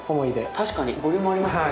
確かに、ボリュームありますよね。